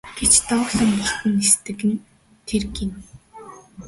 гэж дооглон бултан нисдэг нь тэр гэнэ.